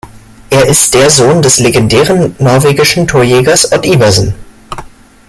Er ist der Sohn des legendären norwegischen Torjägers Odd Iversen.